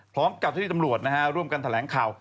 เจ้าที่ตำรวจนะฮะร่วมกันแถลงข่าว